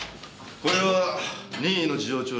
これは任意の事情聴取ですよね？